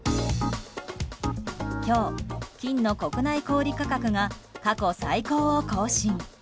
今日、金の国内小売価格が過去最高を更新。